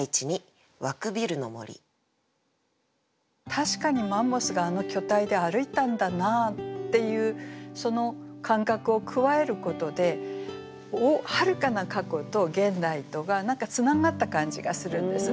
確かにマンモスがあの巨体で歩いたんだなっていうその感覚を加えることではるかな過去と現代とが何かつながった感じがするんですね。